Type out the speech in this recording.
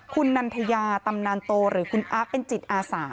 คุณนันทยาตำนานโตหรือคุณอั๊กเป็นเจ้าของเรานะคะ